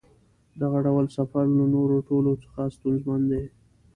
دغه ډول سفر له نورو ټولو څخه ستونزمن دی.